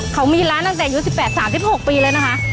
เขามีร้านตั้งแต่อายุ๑๘๓๖ปีแล้วนะคะ